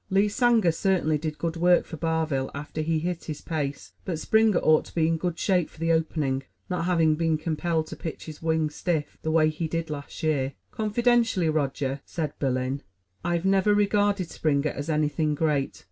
"Lee Sanger certainly did good work for Barville after he hit his pace; but Springer ought to be in good shape for the opening, not having been compelled to pitch his wing stiff, the way he did last year." "Confidentially, Roger," said Berlin, "I've never regarded Springer as anything great.